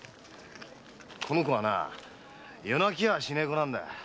この子はなあ夜泣きはしねえ子なんだ。